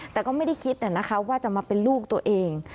แต่ก็ไม่ได้คิดว่าจะมาเป็นลูกตัวเอง